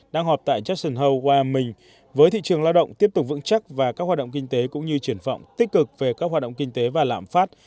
đang họp tại jackson hole wyoming với thị trường lao động tiếp tục vững chắc và các hoạt động kinh tế cũng như triển phọng tích cực về các hoạt động kinh tế và lãm phát